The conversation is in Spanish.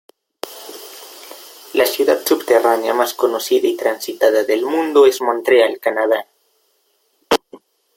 La ciudad subterránea más conocida y transitada del mundo es Montreal, Canadá.